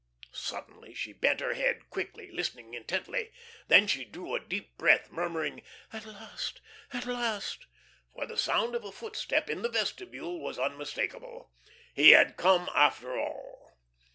Suddenly she bent her head quickly, listening intently. Then she drew a deep breath, murmuring "At last, at last!" For the sound of a footstep in the vestibule was unmistakable. He had come after all.